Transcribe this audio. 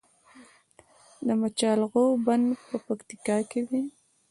د مچالغو بند په پکتیا کې دی